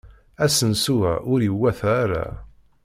Asensu-a ur iwata ara.